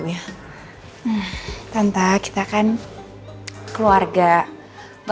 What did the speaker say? hilangkan binistan semuanya